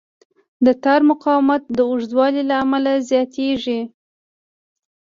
د تار مقاومت د اوږدوالي له امله زیاتېږي.